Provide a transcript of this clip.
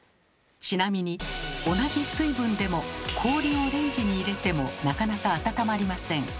ちなみに同じ水分でも氷をレンジに入れてもなかなか温まりません。